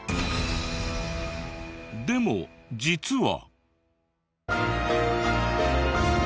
でも実は！